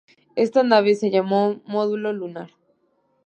Esta nave se llamó módulo lunar.